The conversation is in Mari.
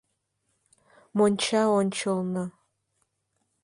— Мончаончылно.